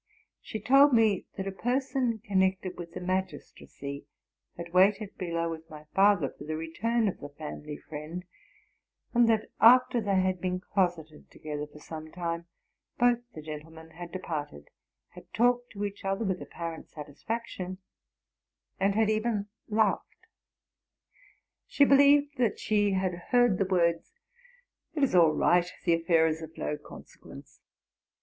She told me that a person connected with the magistracy had waited below with my father for the return of the family friend, and that, after they had been closeted together for some time, both the gentlemen had departed, had talked to each other with apparent satisfac tion, and had even laughed. She believed that she had heard the words, '' It is all right: the affair is of no consequence."